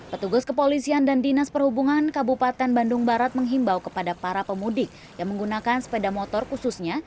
petugas kepolisian dan dinas perhubungan kabupaten bandung barat menghimbau kepada para pemudik yang menggunakan sepeda motor khususnya